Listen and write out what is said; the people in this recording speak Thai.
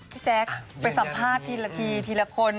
แจ๊คไปสัมภาษณ์ทีละทีทีละคน